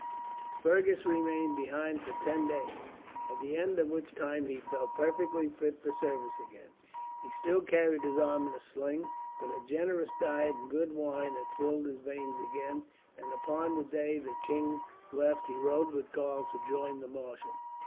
Fergus remained behind for ten days, at the end of which time he felt perfectly fit for service again. He still carried his arm in a sling, but a generous diet and good wine had filled his veins again, and upon the day the king left he rode with Karl to rejoin the marshal.